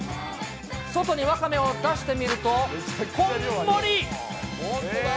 外にわかめを出してみると、こんもり。